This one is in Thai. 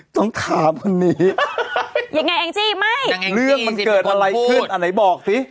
ต้องถามวันนี้ยังไงแองจี้ไม่เรื่องมันเกิดอะไรขึ้นอันไหนบอกสิ